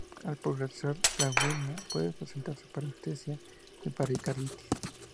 Al progresar la uremia, puede presentarse parestesia y pericarditis.